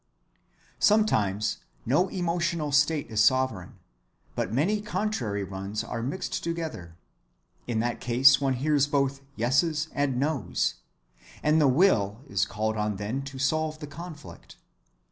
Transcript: Sometimes no emotional state is sovereign, but many contrary ones are mixed together. In that case one hears both "yeses" and "noes," and the "will" is called on then to solve the conflict.